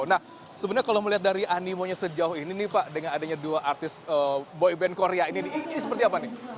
nah sebenarnya kalau melihat dari animonya sejauh ini nih pak dengan adanya dua artis boyband korea ini ini seperti apa nih